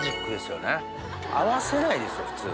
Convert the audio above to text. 合わせないですよ普通。